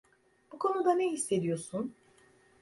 Bu konuda ne hissediyorsun?